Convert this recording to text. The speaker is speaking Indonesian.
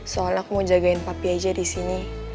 soalnya aku mau jagain papi aja disini